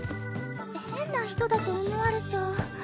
変な人だと思われちゃう。